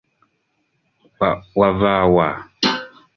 Wava wa?